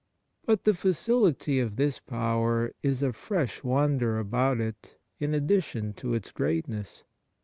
But the facility of this power is a fresh wonder about it in addition to its greatness.